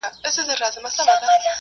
دغه هلک پرون یو شعر واورېدی.